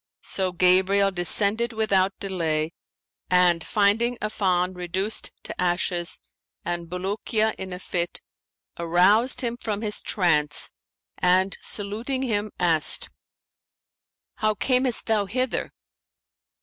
So Gabriel descended without delay and, finding Affan reduced to ashes and Bulukiya in a fit, aroused him from his trance and saluting him asked, 'How camest thou hither?'